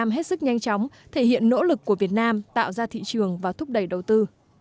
hết sức nhanh chóng thể hiện nỗ lực của việt nam tạo ra thị trường và thúc đẩy đầu tư